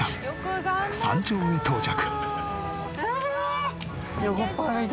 山頂に到着。